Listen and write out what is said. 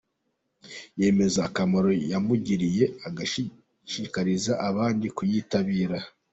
Yemeza akamaro yamugiriye agashishikariza abandi kuyitabira.